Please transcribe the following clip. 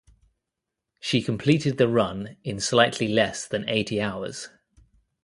She completed the run in slightly less than eighty hours.